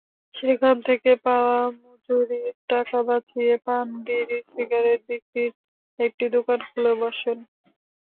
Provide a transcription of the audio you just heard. সেখান থেকে পাওয়া মজুরির টাকা বাঁচিয়ে পান-বিড়ি-সিগারেট বিক্রির একটি দোকান খুলে বসেন।